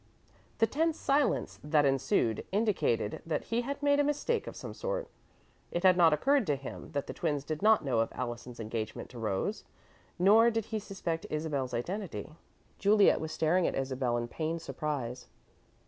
The tense silence that ensued indicated that he had made a mistake of some sort. It had not occurred to him that the twins did not know of Allison's engagement to Rose, nor did he suspect Isabel's identity. Juliet was staring at Isabel in pained surprise.